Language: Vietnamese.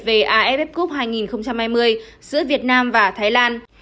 về aff cup hai nghìn hai mươi giữa việt nam và thái lan